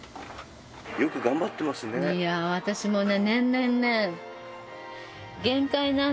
いや私もね。